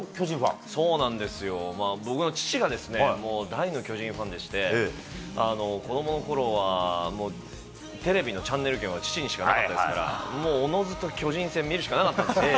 まあ僕の父が大の巨人ファンでして、子どものころはもう、テレビのチャンネル権は父にしかなかったですから、もう、おのずと巨人戦見るしかなかったんですよ。